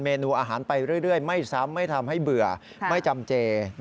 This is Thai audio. นูอาหารไปเรื่อยไม่ซ้ำไม่ทำให้เบื่อไม่จำเจ